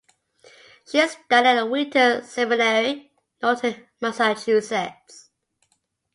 She studied at Wheaton Seminary, Norton, Massachusetts.